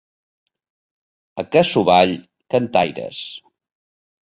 A Cassovall, cantaires.